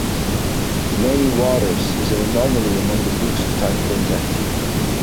"Many Waters" is an anomaly among the books of the Time Quintet.